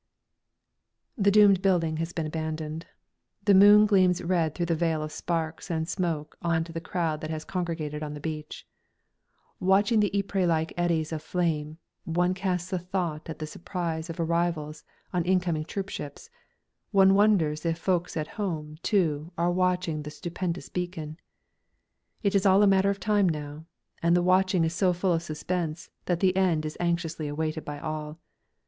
The doomed building has been abandoned. The moon gleams red through the veil of sparks and smoke on to the crowd that has congregated on the beach. Watching the Ypres like eddies of flame, one casts a thought at the surprise of the arrivals on incoming troopships; one wonders if folks at home, too, are watching the stupendous beacon. It is all a matter of time now, and the watching is so full of suspense that the end is anxiously awaited by all.